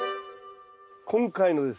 今回のですね